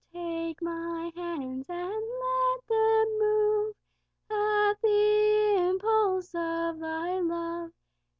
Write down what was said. Take my hands, and let them move At the impulse of Thy love.